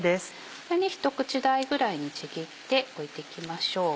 こちら一口大ぐらいにちぎって置いていきましょう。